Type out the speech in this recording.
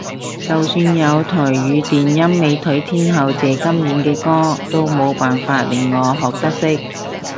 就算有台語電音美腿天后謝金燕嘅歌都冇辦法令我學得識